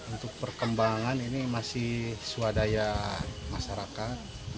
untuk perkembangan ini masih swadaya masyarakat